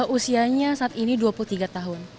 usianya saat ini dua puluh tiga tahun